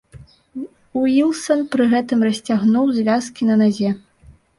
Уілсан пры гэтым расцягнуў звязкі на назе.